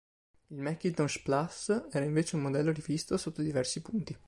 Il Macintosh Plus era invece un modello rivisto sotto diversi punti.